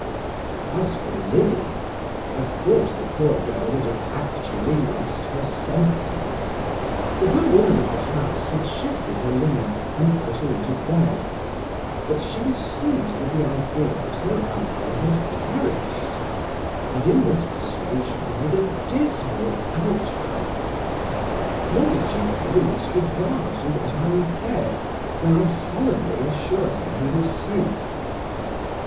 As for Liddy, I thought the poor girl would have actually lost her senses. The good woman of the house had shifted her linen, and put her into bed; but she was seized with the idea that her uncle had perished, and in this persuasion made a dismal out cry; nor did she pay the least regard to what I said, when I solemnly assured her he was safe.